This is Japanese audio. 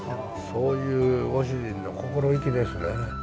そういうご主人の心意気ですね。